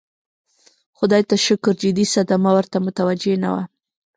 خدای ته شکر جدي صدمه ورته متوجه نه وه.